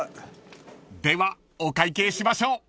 ［ではお会計しましょう］